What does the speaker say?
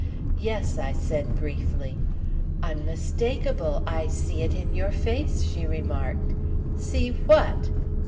"Yes," I said briefly. "Unmistakable! I see it in your face!" she remarked. "See what?"